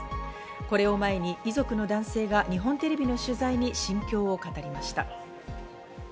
これを前に遺族の男性が日本テレビの取材に心境を語りました。